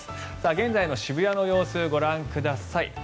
現在の渋谷の様子ご覧ください。